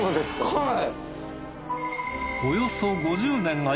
はい。